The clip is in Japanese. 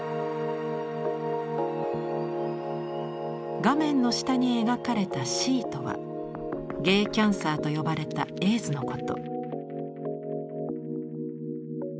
画面の下に描かれた「Ｃ」とは「ＧａｙＣａｎｃｅｒ」と呼ばれたエイズのこと。